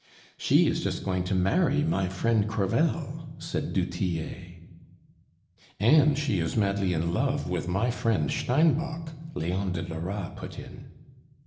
"She is just going to marry my friend Crevel," said du Tillet. "And she is madly in love with my friend Steinbock," Leon de Lora put in.